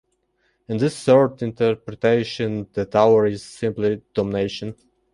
In his third interpretation, the Tower is simply damnation.